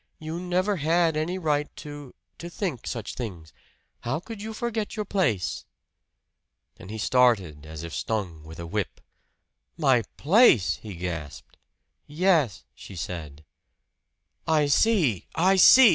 You never had any right to to think such things. How could you so forget your place?" And he started as if stung with a whip. "My place!" he gasped. "Yes," she said. "I see, I see!"